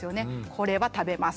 これは食べます